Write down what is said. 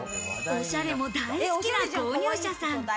おしゃれも大好きな購入者さん。